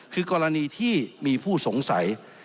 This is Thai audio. คือกรณีที่มีผู้สงสัย